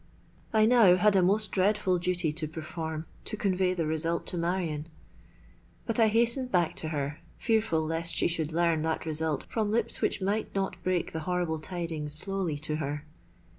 I now had a most dreadful duty to perform—to convey the result to Marion. But I hastened back to her, fearful lest she should learn that result from lips which might not break the horrible tidings slowly to her.